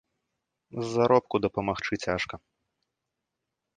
З заробку дапамагчы цяжка.